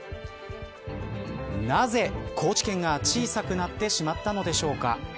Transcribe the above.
なぜ、高知県が小さくなってしまったのでしょうか。